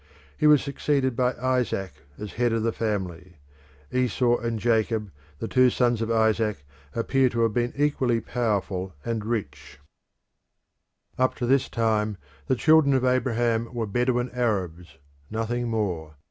He was succeeded by Isaac as head of the family. Esau and Jacob, the two sons of Isaac, appear to have been equally powerful and rich. The Israelites Up to this time the children of Abraham were Bedouin Arabs nothing more.